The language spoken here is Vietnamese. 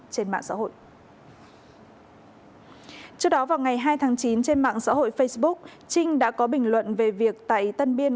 trước đó vào ngày hai tháng chín trên mạng xã hội facebook trinh đã có bình luận về việc tại tân biên